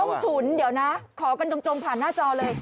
ฉุนเดี๋ยวนะขอกันตรงผ่านหน้าจอเลย